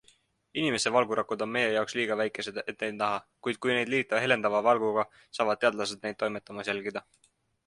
Inimese valgurakud on meie jaoks liiga väikesed, et neid näha, kuid kui need liita helendava valguga, saavad teadlased neid toimetamas jälgida.